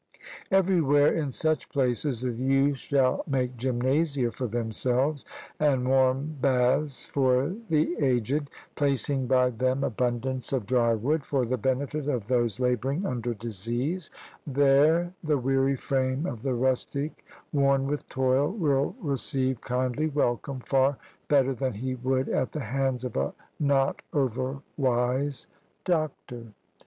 Everywhere in such places the youth shall make gymnasia for themselves, and warm baths for the aged, placing by them abundance of dry wood, for the benefit of those labouring under disease there the weary frame of the rustic, worn with toil, will receive a kindly welcome, far better than he would at the hands of a not over wise doctor.